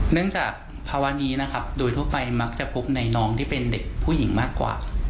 จากภาวะนี้นะครับโดยทั่วไปมักจะพบในน้องที่เป็นเด็กผู้หญิงมากกว่า